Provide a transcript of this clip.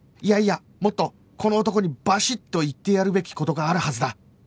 いやいやもっとこの男にバシッと言ってやるべき事があるはずだ